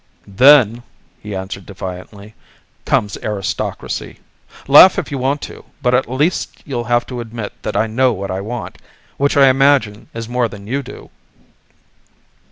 "Then," he answered defiantly, "comes aristocracy. Laugh if you want to but at least you'll have to admit that I know what I want which I imagine is more than you do."